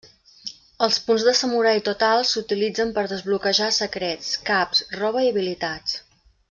Els punts de samurai totals s’utilitzen per desbloquejar secrets, caps, roba i habilitats.